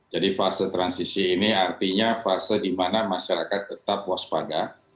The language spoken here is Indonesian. jadi fase transisi ini artinya fase dimana masyarakat tetap waspada